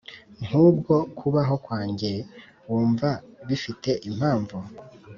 Nk’ubwo kubaho kwanjye Wumva bifite impamvu?